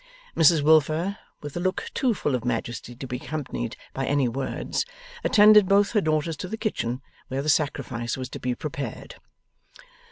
Mrs Wilfer, with a look too full of majesty to be accompanied by any words, attended both her daughters to the kitchen, where the sacrifice was to be prepared.